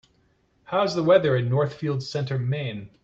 how's the weather in Northfield Center Maine